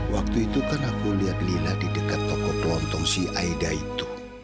waktu itu kan aku lihat lina di dekat toko kelontong si aida itu